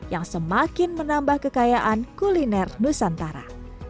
yang semakin menambah kekayaan kuliner nusantara